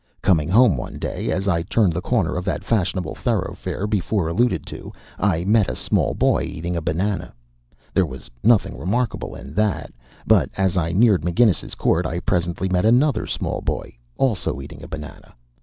Coming home one day, as I turned the corner of that fashionable thoroughfare before alluded to, I met a small boy eating a banana. There was nothing remarkable in that, but as I neared McGinnis's Court I presently met another small boy, also eating a banana.